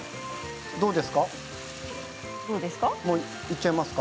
どうですか？